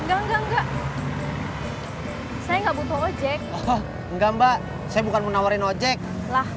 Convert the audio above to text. enggak enggak enggak saya enggak butuh ojek enggak mbak saya bukan menawarin ojek lah